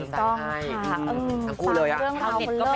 จริงจริงจริงจริง